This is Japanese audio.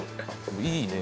いいね。